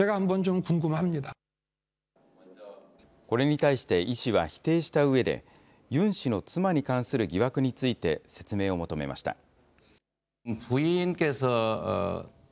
これに対してイ氏は、否定したうえで、ユン氏の妻に関する疑惑について、説明を求めました。